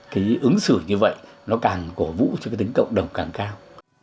cái ứng xử như vậy nó càng cổ vũ cho cái tính cộng đồng càng cao